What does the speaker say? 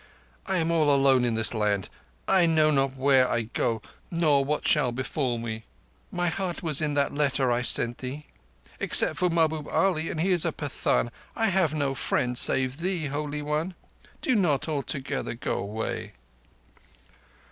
"I am all alone in this land; I know not where I go nor what shall befall me. My heart was in that letter I sent thee. Except for Mahbub Ali, and he is a Pathan, I have no friend save thee, Holy One. Do not altogether go away."